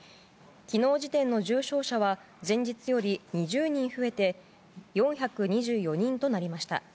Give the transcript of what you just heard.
昨日時点の重症者は前日より２０人増えて４２４人となりました。